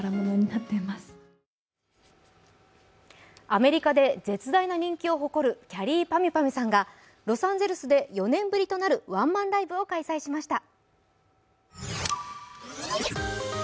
アメリカで絶大な人気を誇るきゃりーぱみゅぱみゅさんがロサンゼルスで４年ぶりとなるワンマンライブを開催しました。